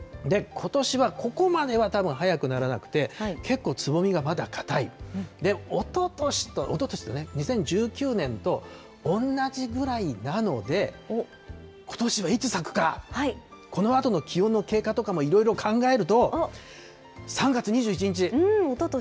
ことしはここまではたぶん、早くならなくて、結構、つぼみがまだ堅い、おととしと、２０１９年と同じぐらいなので、ことしはいつ咲くか、このあとの気温の経過とかもいろいろ考えると、３月２１日。